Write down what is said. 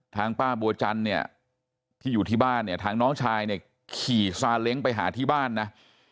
ทางป้าบัวจันทร์เนี่ยที่อยู่ที่บ้านเนี่ยทางน้องชายเนี่ยขี่ซาเล้งไปหาที่บ้านนะ